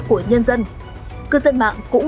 của nhân dân cư dân mạng cũng